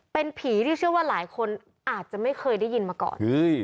เป็นผีที่เชื่อว่าหลายคนอาจจะไม่เคยได้ยินมาก่อน